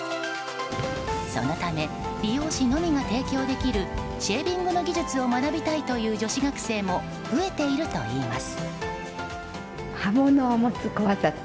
そのため理容師のみが提供できるシェービングの技術を学びたいという女子学生も増えているといいます。